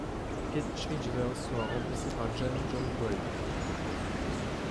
Piet Schrijvers sera remplacé par Jan Jongbloed.